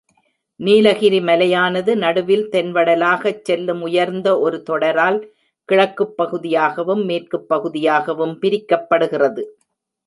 நீலகிரி மலையானது நடுவில் தென்வடலாகச் செல்லும் உயர்ந்த ஒரு தொடரால் கிழக்குப் பகுதியாகவும் மேற்குப் பகுதியாகவும் பிரிக்கப்படுகிறது.